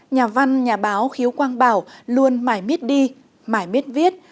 nhà văn nhà báo khiếu quang bảo luôn mãi miết đi mãi miết viết